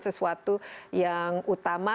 sesuatu yang utama